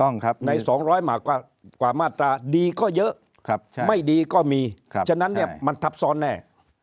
ใน๒๐๐กว่ามาตราดีก็เยอะไม่ดีก็มีฉะนั้นมันทับซ้อนแน่